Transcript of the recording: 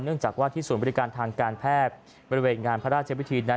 จากว่าที่ศูนย์บริการทางการแพทย์บริเวณงานพระราชพิธีนั้น